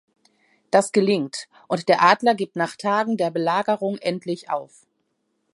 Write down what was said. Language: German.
Das gelingt und der Adler gibt nach Tagen der Belagerung endlich auf.